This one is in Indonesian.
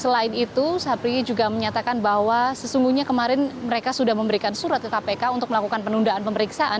selain itu sapriya juga menyatakan bahwa sesungguhnya kemarin mereka sudah memberikan surat ke kpk untuk melakukan penundaan pemeriksaan